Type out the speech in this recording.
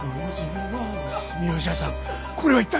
住吉屋さんこれは一体。